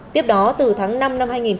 tiếp đó từ tháng năm năm hai nghìn một mươi bốn